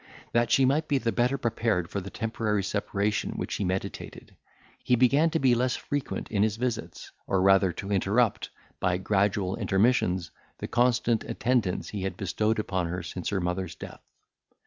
That she might be the better prepared for the temporary separation which he meditated, he began to be less frequent in his visits, or rather to interrupt, by gradual intermissions, the constant attendance he had bestowed upon her since her mother's death.